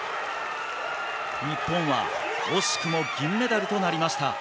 日本は惜しくも銀メダルとなりました。